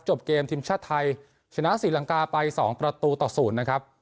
เกมทีมชาติไทยชนะศรีลังกาไป๒ประตูต่อ๐นะครับ